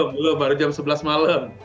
baru jam sebelas malam